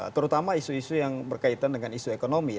terutama isu isu yang berkaitan dengan isu ekonomi